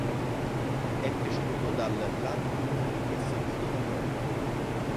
È preceduto dal Ladinico e seguito dal Norico.